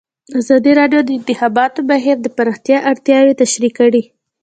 ازادي راډیو د د انتخاباتو بهیر د پراختیا اړتیاوې تشریح کړي.